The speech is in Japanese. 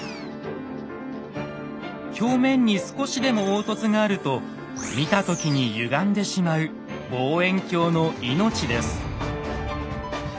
表面に少しでも凹凸があると見た時にゆがんでしまう望遠鏡の命です。